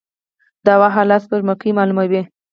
د هوا حالات سپوږمکۍ معلوموي